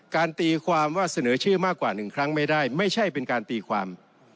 ตีความว่าเสนอชื่อมากกว่า๑ครั้งไม่ได้ไม่ใช่เป็นการตีความ